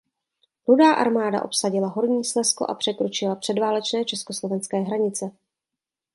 Rudá armáda obsadila Horní Slezsko a překročila předválečné československé hranice.